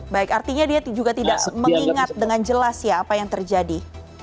baik artinya dia juga tidak mengingat dengan jelas ya apa yang terjadi